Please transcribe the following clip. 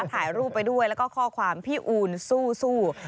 ถ่ายรูปไปด้วยแล้วก็ข้อความพี่อูนสู้